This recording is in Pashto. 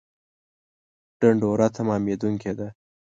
ډنډوره تمامېدونکې ده